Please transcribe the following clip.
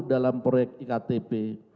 dalam proyek iktp